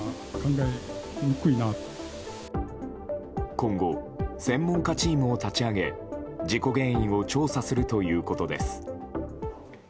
今後、専門家チームを立ち上げ事故原因を調査するということです。